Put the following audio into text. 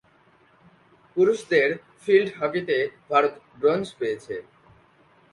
পুরুষদের ফিল্ড হকিতে ভারত ব্রোঞ্জ পেয়েছে।